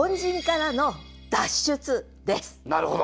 なるほど。